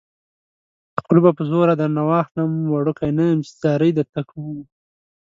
خوله به په زوره درنه واخلم وړوکی نه يم چې ځاري درته کومه